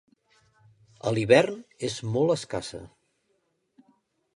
A l'hivern és molt escassa.